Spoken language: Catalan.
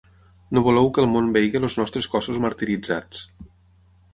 No voleu que el món vegi els nostres cossos martiritzats.